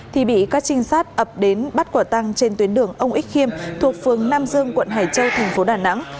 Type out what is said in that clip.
thì bị các trinh sát ập đến bắt quả tăng trên tuyến đường ông ích khiêm thuộc phường nam dương quận hải châu thành phố đà nẵng